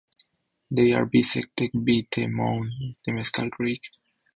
They are bisected by the mouth of Temescal Creek.